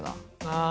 あ。